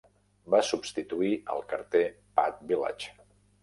Va substituir el carter Pat Village.